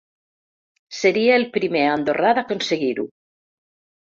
Seria el primer andorrà d’aconseguir-ho.